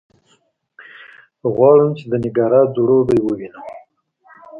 غواړم چې د نېګارا ځړوبی ووینم.